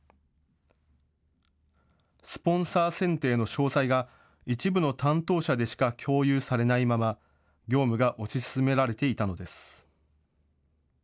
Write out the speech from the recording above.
スポンサー選定の詳細が一部の担当者でしか共有されないまま、業務が推し進められていたのです。